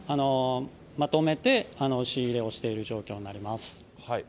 まとめて仕入れをしている状況になります。